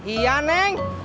iya neng jemput di rumah